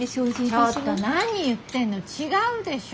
ちょっと何言ってんの違うでしょ？